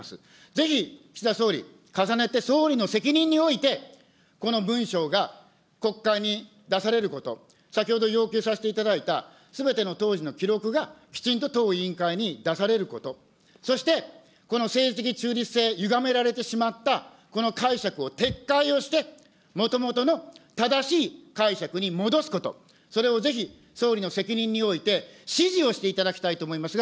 ぜひ、岸田総理、重ねて総理の責任において、この文書が国会に出されること、先ほど要求させていただいたすべての当時の記録がきちんと当委員会に出されること、そしてこの政治的中立性、ゆがめられてしまったこの解釈を撤回をして、もともとの正しい解釈に戻すこと、それをぜひ総理の責任において指示をしていただきたいと思います